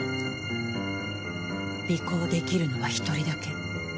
尾行できるのは１人だけ。